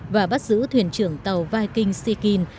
và bắt giữ thuyền trưởng tàu viking sikin